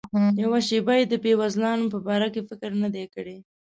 یوه شیبه یې د بېوزلانو په باره کې فکر نه دی کړی.